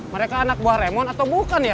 mereka anak buah ramon atau bukan ya